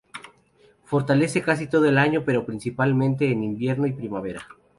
Florece casi todo el año, pero principalmente en invierno y primavera.